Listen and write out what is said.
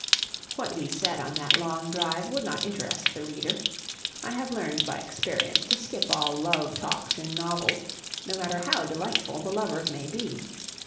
What we said on that long drive would not interest the reader. I have learned by experience to skip all love talks in novels; no matter how delightful the lovers may be.